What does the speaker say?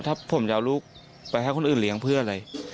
ถ้าผมจะเอาลูกไปให้คนอื่นเลี้ยงเพื่ออะไร